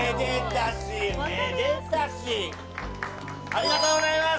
ありがとうございます。